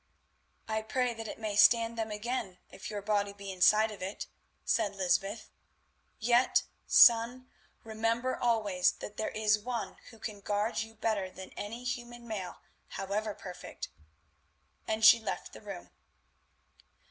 "I pray that it may stand them again if your body be inside of it," said Lysbeth. "Yet, son, remember always that there is One who can guard you better than any human mail however perfect," and she left the room.